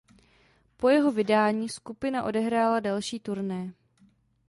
Po jeho vydání skupina odehrála další turné.